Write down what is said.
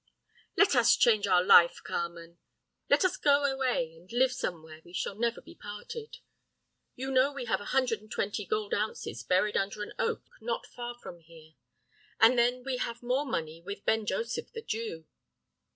"'Let us change our life, Carmen,' said I imploringly. 'Let us go away and live somewhere we shall never be parted. You know we have a hundred and twenty gold ounces buried under an oak not far from here, and then we have more money with Ben Joseph the Jew.